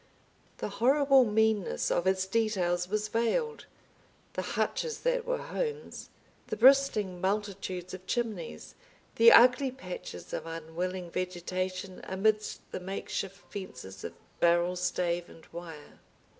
The horrible meanness of its details was veiled, the hutches that were homes, the bristling multitudes of chimneys, the ugly patches of unwilling vegetation amidst the makeshift fences of barrel stave and wire.